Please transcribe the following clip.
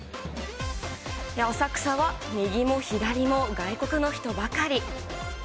浅草は右も左も外国の人ばかり。